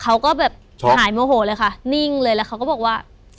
เขาก็แบบหายโมโหเลยค่ะนิ่งเลยแล้วเขาก็บอกว่า